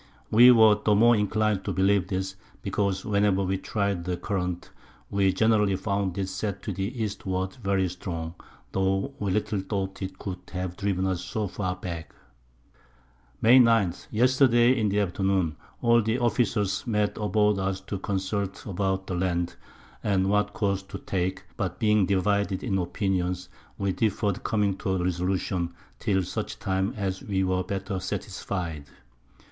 We were the more inclinable to believe this, because whenever we try'd the Current, we generally found it set to the Eastward very strong, tho' we little thought it could have driven us so far back. [Sidenote: Sailing towards Gillolo, etc.] May 9. Yesterday in the Afternoon all the Officers met aboard us to consult about the Land, and what Course to take; but being divided in Opinions, we defer'd coming to a Resolution, till such Time as we were better satisfy'd.